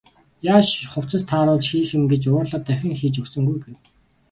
Яаж хувцас тааруулж хийх юм гэж уурлаад дахин хийж өгсөнгүй гэнэ.